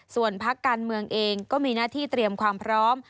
ส่วนพักการเมืองเองก็มีหน้าที่เตรียมความพร้อม